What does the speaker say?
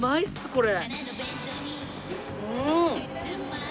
これ。